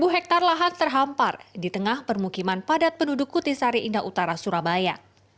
dua puluh hektare lahan terhampar di tengah permukiman padat penduduk kutisari indah utara surabaya